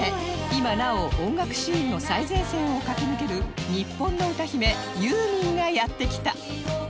今なお音楽シーンの最前線を駆け抜ける日本の歌姫ユーミンがやって来た！